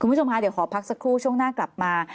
คุณผู้ชมค่ะเดี๋ยวขอพักสักครู่ช่วงหน้ากลับมา